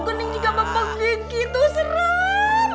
gening juga membangun gitu seru